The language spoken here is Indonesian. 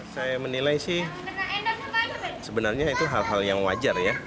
saya menilai sih sebenarnya itu hal hal yang wajar ya